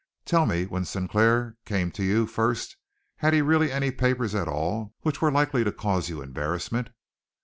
Tell me, when Sinclair came to you first had he really any papers at all which were likely to cause you embarrassment?"